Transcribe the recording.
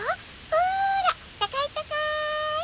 ほらたかいたかい！